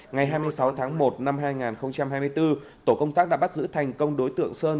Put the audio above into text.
ngày hai mươi sáu tháng một năm hai nghìn hai mươi bốn tổ công tác đã bắt giữ thành công đối tượng sơn